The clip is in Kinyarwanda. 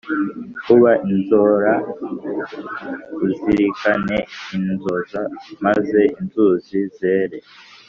kuba inzora Uzirikane inzoza Maze inzuzi zere.